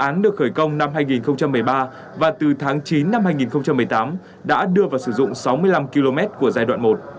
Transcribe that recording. năm hai nghìn một mươi ba và từ tháng chín năm hai nghìn một mươi tám đã đưa vào sử dụng sáu mươi năm km của giai đoạn một